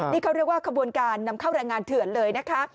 นี่เขาเรียกว่าขบวนการนำเข้าแรงงานเถื่อนเลยนะคะ